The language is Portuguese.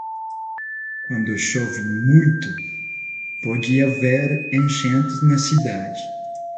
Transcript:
Quando chove muito, pode haver enchentes na cidade.